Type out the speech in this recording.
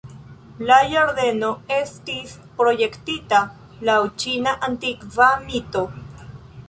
La ĝardeno estis projektita laŭ ĉina antikva mito.